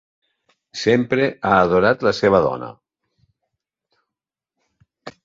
Sempre ha adorat la seva dona.